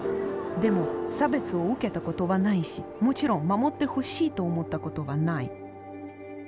でも差別を受けたことはないしもちろん守ってほしいと思ったことはない。